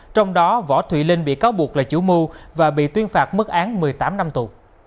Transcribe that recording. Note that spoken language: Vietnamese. trong đó võ thùy linh bị cáo buộc là chủ mưu và bị tuyên phạt mức án một mươi tám năm tù